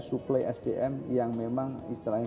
suplai sdm yang memang istilahnya